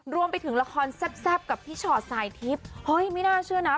รวมไปถึงละครแซ่บกับพี่ชอตสายทิพย์เฮ้ยไม่น่าเชื่อนะ